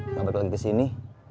gak berkembang lagi kesini